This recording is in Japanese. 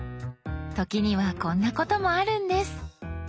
時にはこんなこともあるんです。